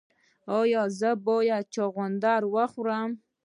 ایا زه باید چغندر وخورم؟